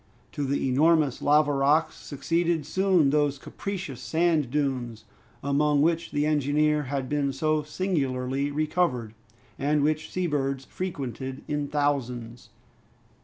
To the enormous lava rocks succeeded soon those capricious sand dunes, among which the engineer had been so singularly recovered, and which seabirds frequented in thousands.